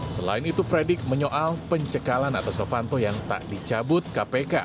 selain itu frederick menyoal pencegalan atas vanto yang tak dicabut kpk